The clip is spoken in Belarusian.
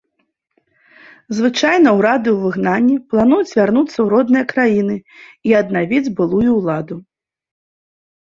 Звычайна ўрады ў выгнанні плануюць вярнуцца ў родныя краіны і аднавіць былую ўладу.